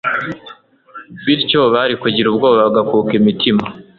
bityo bari kugira ubwoba bagakuka imitima